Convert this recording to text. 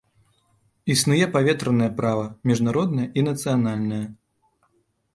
Існуе паветранае права міжнароднае і нацыянальнае.